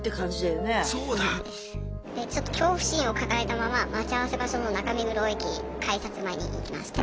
でちょっと恐怖心を抱えたまま待ち合わせ場所の中目黒駅改札前に行きまして。